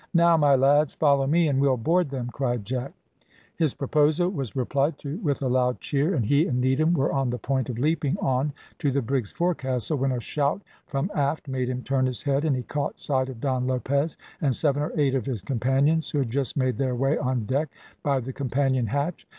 "Now, my lads! follow me, and we'll board them," cried Jack. His proposal was replied to with a loud cheer, and he and Needham were on the point of leaping on to the brig's forecastle, when a shout from aft made him turn his head, and he caught sight of Don Lopez and seven or eight of his companions, who had just made their way on deck by the companion hatch.